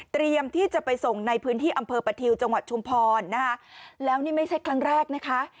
ที่จะไปส่งในพื้นที่อำเภอประทิวจังหวัดชุมพรนะคะแล้วนี่ไม่ใช่ครั้งแรกนะคะ